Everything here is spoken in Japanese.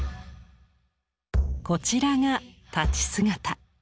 こちらが立ち姿